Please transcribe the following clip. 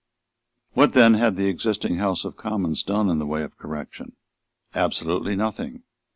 What then had the existing House of Commons done in the way of correction? Absolutely nothing.